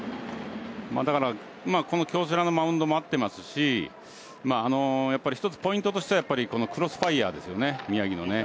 だからこの京セラのマウンドも合ってますし１つポイントとしてはクロスファイヤーですよね宮城のね。